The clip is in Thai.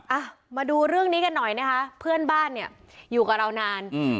อ่ะมาดูเรื่องนี้กันหน่อยนะคะเพื่อนบ้านเนี่ยอยู่กับเรานานอืม